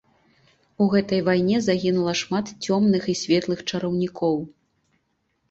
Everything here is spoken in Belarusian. У гэтай вайне загінула шмат цёмных і светлых чараўнікоў.